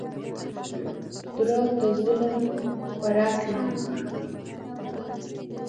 • دروغ د ظلم خوراک وي.